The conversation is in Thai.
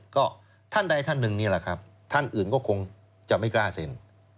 ก็ท่านใดท่านหนึ่งนี่แหละครับท่านอื่นก็คงจะไม่กล้าเซ็น